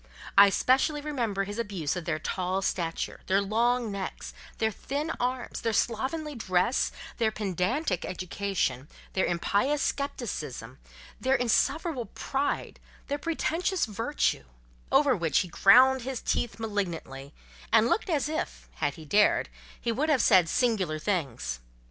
I specially remember his abuse of their tall stature, their long necks, their thin arms, their slovenly dress, their pedantic education, their impious scepticism(!), their insufferable pride, their pretentious virtue: over which he ground his teeth malignantly, and looked as if, had he dared, he would have said singular things.